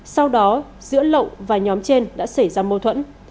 sau đó giữa lậu và nhóm trên đã xảy ra mâu thuẫn